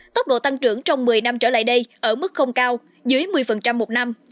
tốc độ tăng trưởng trong một mươi năm trở lại đây ở mức không cao dưới một mươi một năm